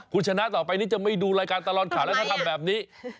คุณชนะต่อไปนี้จะไม่ดูรายการตลอดข่าวแล้วถ้าทำแบบนี้